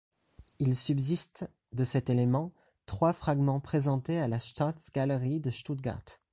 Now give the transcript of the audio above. Il subsiste, de cet élément, trois fragments présentés à la Staatsgalerie de Stuttgart.